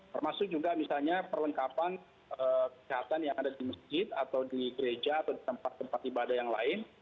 termasuk juga misalnya perlengkapan kesehatan yang ada di masjid atau di gereja atau di tempat tempat ibadah yang lain